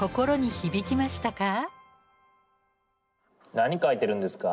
何書いてるんですか？